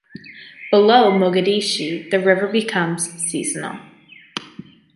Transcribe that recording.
Below Mogadishu, the river becomes seasonal.